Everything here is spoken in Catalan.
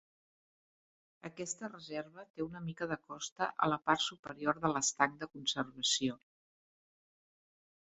Aquesta reserva té una mica de costa a la part superior de l'estanc de conservació.